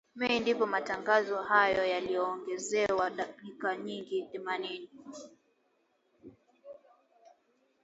Mei ndipo matangazo hayo yaliongezewa dakika nyingine thelathini